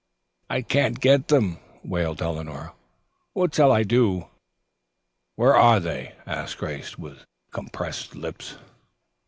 "I can't get them," wailed Eleanor. "What shall I do?" "Where are they?" asked Grace, with compressed lips.